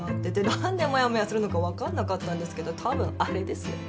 なんでモヤモヤするのかわかんなかったんですけど多分あれですよ。